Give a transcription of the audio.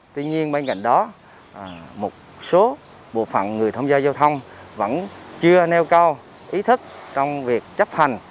tuy nhiên bên cạnh đó một số bộ phận người tham gia giao thông vẫn chưa nêu cao ý thức trong việc chấp hành